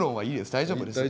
大丈夫ですか。